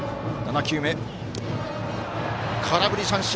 空振り三振。